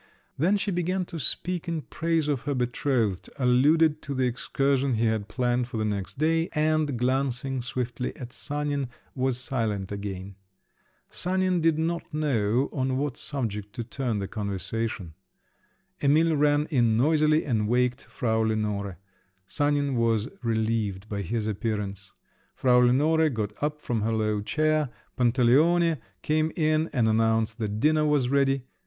Then she began to speak in praise of her betrothed, alluded to the excursion he had planned for the next day, and, glancing swiftly at Sanin, was silent again. Sanin did not know on what subject to turn the conversation. Emil ran in noisily and waked Frau Lenore … Sanin was relieved by his appearance. Frau Lenore got up from her low chair. Pantaleone came in and announced that dinner was ready.